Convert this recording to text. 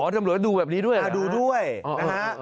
ตำรวจดูแบบนี้ด้วยดูด้วยนะฮะ